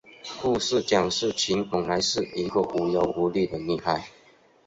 故事讲述琴本来是一个无忧无虑的女孩。